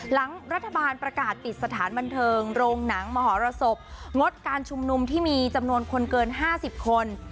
หลังรัฐบาลประกาศปิดสถานบันเทิงโรงหนังมหรสบงดการชุมนุมที่มีจำนวนคนเกิน๕๐คน